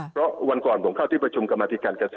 เพราะวันก่อนผมเข้าที่ประชุมกรรมธิการกระทรวง